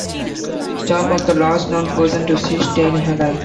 Starr was the last known person to see Staley alive.